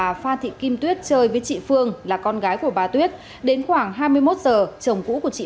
tuyết kim tuyết chơi với chị phương là con gái của bà tuyết đến khoảng hai mươi một giờ chồng cũ của chị